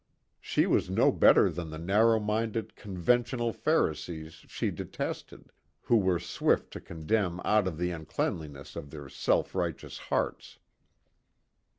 She was no better than the narrow minded, conventional Pharisees she detested, who were swift to condemn out of the uncleanness of their self righteous hearts.